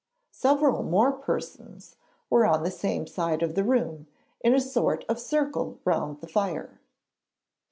Several more persons were on the same side of the room, in a sort of circle round the fire.